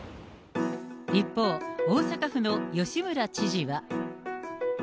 一方、大阪府の吉村知事は。